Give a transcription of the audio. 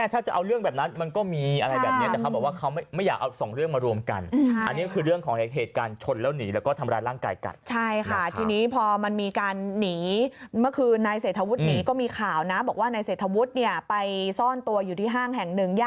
แต่ไม่ใช่มึงมาตีกันในบ้านกู